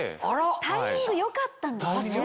タイミングよかったんですね。